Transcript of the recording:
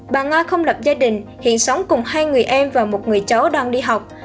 bà nga không lập gia đình hiện sống cùng hai người em và một người cháu đang đi học